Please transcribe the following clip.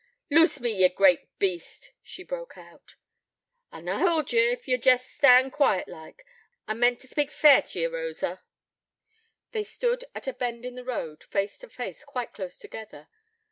'Loose me, ye great beast,' she broke out. 'I'll na hould ye, if ye'll jest stand quiet like. I meant t' speak fair t' ye, Rosa.' They stood at a bend in the road, face to face quite close together.